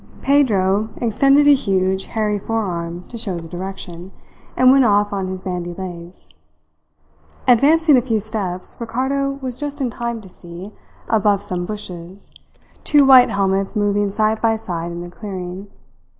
Pedro extended a huge, hairy forearm to show the direction, and went off on his bandy legs. Advancing a few steps, Ricardo was just in time to see, above some bushes, two white helmets moving side by side in the clearing.